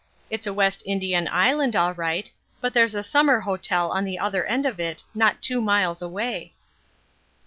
It's a West Indian island all right, but there's a summer hotel on the other end of it not two miles away."